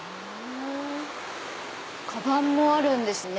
カバンもあるんですね。